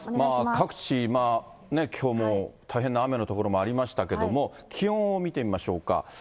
各地、きょうも大変な雨の所もありましたけども、気温を見てみましょうか。